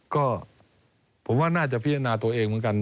ก็ผมว่าน่าจะพิจารณาตัวเองเหมือนกัน